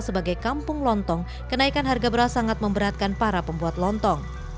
sebagai kampung lontong kenaikan harga beras sangat memberatkan para pembuat lontong